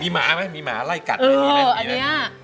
มีหมาไหมมีหมาไล่กัดอะไรบ้าง